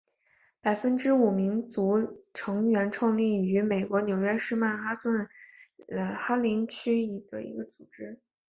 百分之五民族成员创立于美国纽约市曼哈顿哈林区的一个组织。